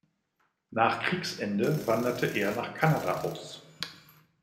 Nach Kriegsende wanderte er nach Kanada aus.